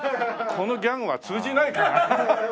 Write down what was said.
このギャグは通じないかな？